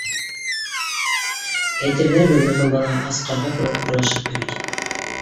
Әйтерҙәр, Гөлнурҙың балаһы ас ҡарға кеүек урлашып йөрөй, тип.